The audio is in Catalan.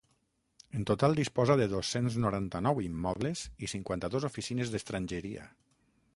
En total disposa de dos-cents noranta-nou immobles i cinquanta-dos oficines d’estrangeria.